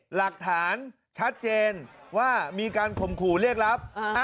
หลักฐานชัดเจนว่ามีการข่มขู่เรียกรับ